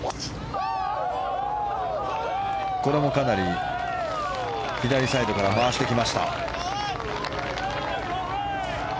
これもかなり左サイドから回してきました。